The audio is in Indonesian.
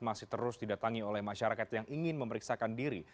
masih terus didatangi oleh masyarakat yang ingin memeriksakan diri